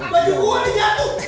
baju gua udah jatuh